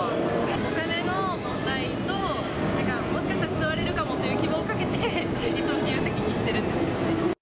お金の問題と、もしかしたら座れるかもっていう希望をかけて、いつも自由席にしてるんですよね。